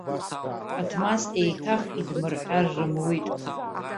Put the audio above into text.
Ҟаҭмас еиҭах идмырҳәар рымуит.